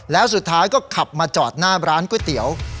แล้วสุดท้ายก็ขับมาจอดหน้าร้านก๋วยเตี๋ยว